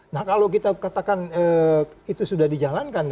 nah kalau kita katakan itu sudah dijalankan